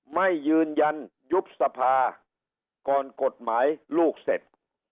ไม่ยืนยันยุบสภาก่อนกฎหมายลูกเสร็จ